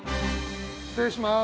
失礼します。